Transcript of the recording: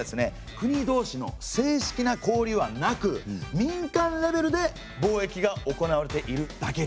国同士の正式な交流はなく民間レベルで貿易が行われているだけでした。